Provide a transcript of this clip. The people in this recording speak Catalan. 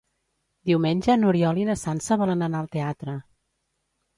Diumenge n'Oriol i na Sança volen anar al teatre.